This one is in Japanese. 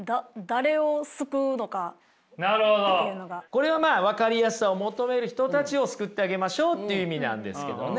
これはまあ分かりやすさを求める人たちを救ってあげましょうっていう意味なんですけどね。